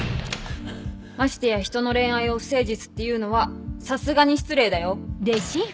ましてや人の恋愛を不誠実って言うのはさすがに失礼だよ！